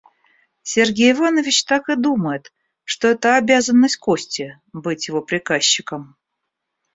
Сергей Иванович так и думает, что это обязанность Кости — быть его приказчиком.